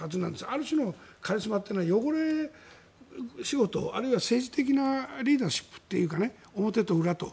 ある種のカリスマというのは汚れ仕事あるいは政治的なリーダーシップというか表と裏と。